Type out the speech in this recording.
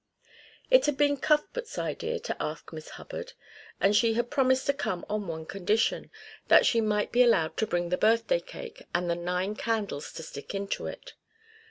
It had been Cuthbert's idea to ask Miss Hubbard, and she had promised to come on one condition that she might be allowed to bring the birthday cake and the nine candles to stick into it.